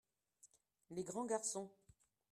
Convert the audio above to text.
les grands garçons.